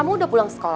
sudah funktion senior